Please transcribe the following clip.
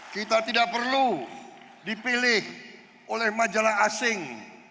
kita tidak perlu dipilih oleh majalah asing